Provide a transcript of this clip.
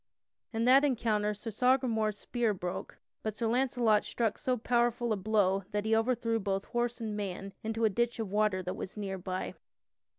In that encounter Sir Sagramore's spear broke, but Sir Launcelot struck so powerful a blow that he overthrew both horse and man into a ditch of water that was near by.